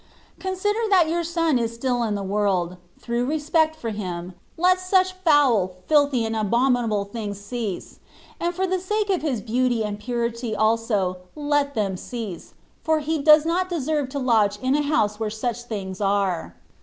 Consider that Your Son is still in the world ; through respect for Him, let such foul, filthy, and abominable doings cease ; and for the sake of His beauty and purity also let them cease, for He does not deserve to lodge in a house where such things are.